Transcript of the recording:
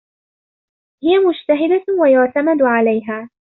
هىَ مجتهدة ويُعتمد عليها.